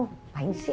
apa yang sih